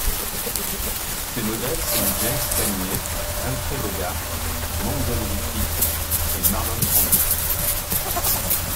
Ses modèles sont James Cagney, Humphrey Bogart, Montgomery Clift et Marlon Brando.